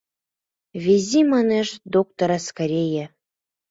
Вези, манеш, доктора скорее...